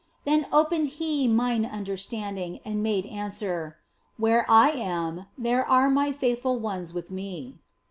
" Then opened He mine understanding and made answer, " Where I am, there are My faithful ones with Me."